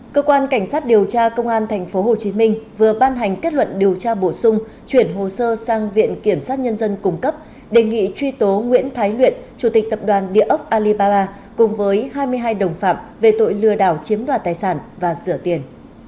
cơ quan cảnh sát điều tra công an tp hcm vừa ban hành kết luận điều tra bổ sung chuyển hồ sơ sang viện kiểm sát nhân dân cung cấp đề nghị truy tố nguyễn thái luyện chủ tịch tập đoàn địa ốc alibaba cùng với hai mươi hai đồng phạm về tội lừa đảo chiếm đoạt tài sản và rửa tiền